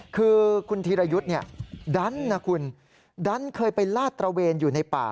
คือคุณธีรยุทธ์ดันนะคุณดันเคยไปลาดตระเวนอยู่ในป่า